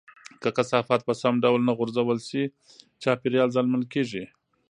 که کثافات په سم ډول نه غورځول شي، چاپیریال زیانمن کېږي.